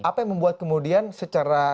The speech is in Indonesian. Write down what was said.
apa yang membuat kemudian secara